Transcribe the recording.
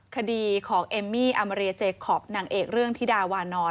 คดีของเอมมี่อามาเรียเจคอปนางเอกเรื่องธิดาวานอน